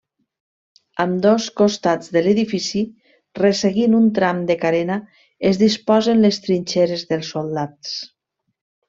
Ambdós costats de l'edifici, resseguint un tram de carena, es disposen les trinxeres dels soldats.